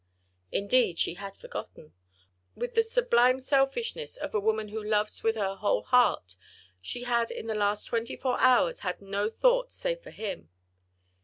Indeed, she had forgotten! With the sublime selfishness of a woman who loves with her whole heart, she had in the last twenty four hours had no thought save for him.